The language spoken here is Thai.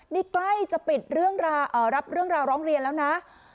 นี่ใกล้จะปิดรับเรื่องราวร้องเรียนแล้วนะ